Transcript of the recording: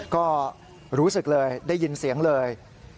ก็รู้สึกเลยได้ยินเสียงเลย